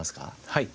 はい。